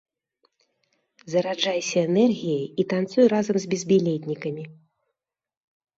Зараджайся энергіяй і танцуй разам з безбілетнікамі!